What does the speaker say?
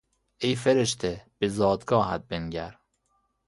ای فرشته به زادگاهت بنگر!